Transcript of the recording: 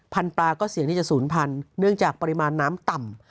ปลาก็เสี่ยงที่จะศูนย์พันธุ์เนื่องจากปริมาณน้ำต่ำ